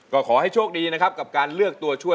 ก็ขอให้โชคดีนะครับกับการเลือกตัวช่วย